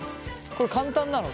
これ簡単なの？